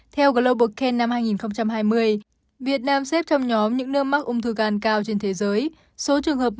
theo global cane năm hai nghìn hai mươi việt nam xếp trong nhóm những nước mắc ung thư gan cao trên thế giới